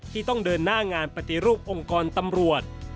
ที่ต้องเดินหน้างานปฏิรูปองค์กรตำรวจ